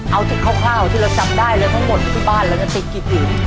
เอาแต่คร่าวที่เราจำได้เลยทั้งหมดที่บ้านเราจะติดกี่ผืน